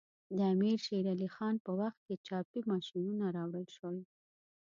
د امیر شیر علی خان په وخت کې چاپي ماشینونه راوړل شول.